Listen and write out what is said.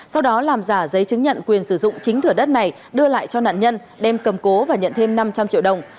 sau đó làm giả giấy chứng nhận quyền sử dụng chính thửa đất này đưa lại cho nạn nhân đem cầm cố và nhận thêm năm trăm linh triệu đồng